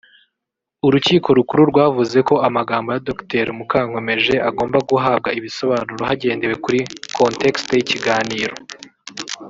Urukiko Rukuru rwavuze ko amagambo ya Dr Mukankomeje agomba guhabwa ibisobanuro hagendewe kuri “contexte” y’ikiganiro